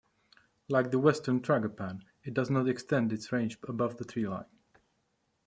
Like the western tragopan, it does not extend its range above the tree line.